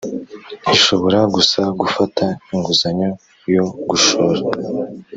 ishobora gusa gufata inguzanyo yo gushora